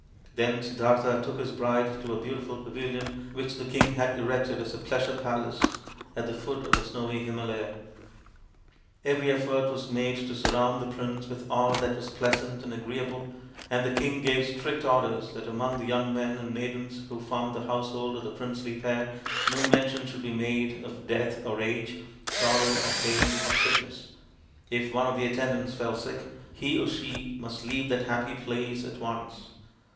Then Siddartha took his bride to a beautiful pavilion which the king had erected as a pleasure palace at the foot of the snowy Hima laya. Every effort was made to surround the prince with all that was pleasant and agreeable, and the king gave strict orders that among the young men and maidens who formed the household of the princely pair no mention should be made of death or age, sorrow, or pain, or sickness. If one of the attendants fell sick, he or she must leave that happy place at once.